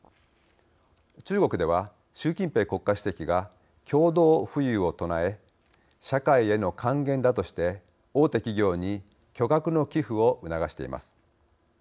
中国では習近平国家主席が「共同富裕」を唱え社会への還元だとして大手企業に巨額の寄付を促しています。